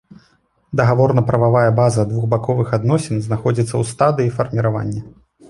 Дагаворна-прававая база двухбаковых адносін знаходзіцца ў стадыі фарміравання.